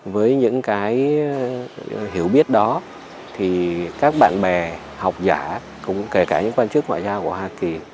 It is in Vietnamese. với những cái hiểu biết đó thì các bạn bè học giả kể cả những quan chức ngoại giao của hoa kỳ